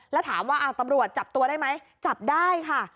แล้วถามว่าตำรวจจับตัวได้ไหมจับได้ค่ะ